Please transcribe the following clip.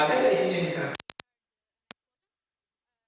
ada tidak isinya ini sekarang